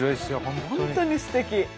本当にすてき。